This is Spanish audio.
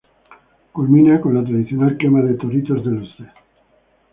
Culmina con la tradicional quema de toritos de luces.